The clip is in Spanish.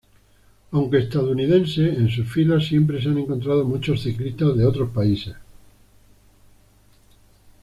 Aunque estadounidense, en sus filas siempre se han encontrado muchos ciclistas de otros países.